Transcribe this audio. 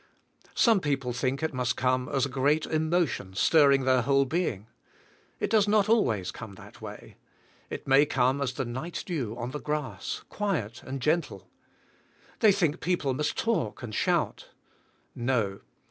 Some people think it must come as a great emotion, stirring their whole being. It does not always come that way. It may come as the night dew on the grass, quiet and gentle. They think people must talk and shout. No!